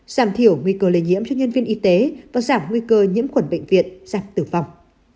giảm thiểu nguy cơ lây nhiễm cho nhân viên y tế và giảm nguy cơ nhiễm khuẩn bệnh viện giảm tử vong